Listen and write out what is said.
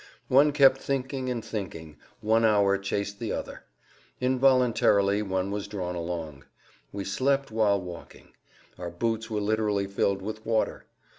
One kept thinking and thinking, one hour chased the other. Involuntarily one was drawn along. We slept whilst walking. Our boots were literally filled with water.